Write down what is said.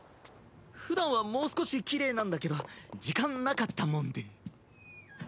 ふだんはもう少しきれいなんだけど時間なかったもんで。